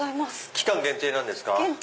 期間限定なんですか？